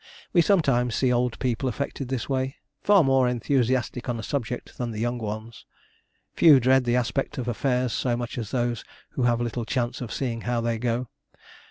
We sometimes see old people affected this way far more enthusiastic on a subject than young ones. Few dread the aspect of affairs so much as those who have little chance of seeing how they go.